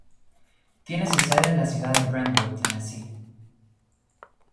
Tiene su sede en la ciudad de Brentwood, Tennessee.